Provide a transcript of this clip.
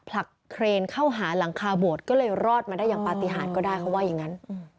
ผลักเครนเข้าหาหลังคาโบสถก็เลยรอดมาได้อย่างปฏิหารก็ได้เขาว่าอย่างนั้น